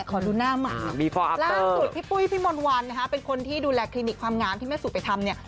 ขอดูหน้าหมามีความล่าสุดพี่ปุ้ยพี่มนต์วันนะฮะเป็นคนที่ดูแลคลินิกความงามที่แม่สุไปทำเนี่ย